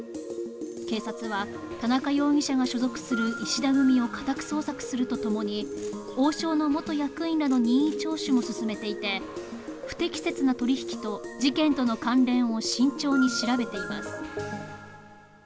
警察は田中容疑者が所属する石田組を家宅捜索すると共に、王将の元役員らの任意聴取も進めていて、不適切な取り引きと事件との関連を慎重に調べています。